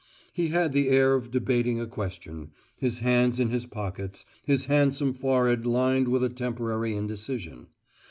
He had the air of debating a question, his hands in his pockets, his handsome forehead lined with a temporary indecision.